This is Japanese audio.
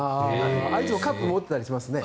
いつもカップを持っていたりしますね。